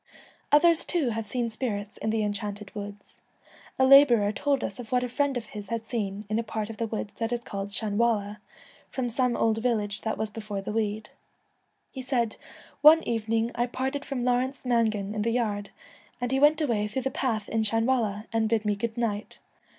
Others too have seen spirits in the En chanted Woods. A labourer told us of what a friend of his had seen in a part of the woods that is called Shanwalla, from some old village that was before the wood. He said, ' One evening I parted from Lawrence Mangan in the yard, and he went away through the path in Shanwalla, an' bid me good night.